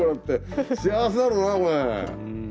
幸せだろうなこれ。